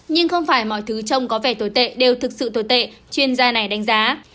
nhưng không phải mọi thứ trông có vẻ tồi tệ đều thực sự tồi tệ chuyên gia này đánh giá